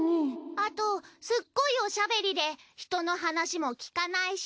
あとすっごいおしゃべりで人の話も聞かないし。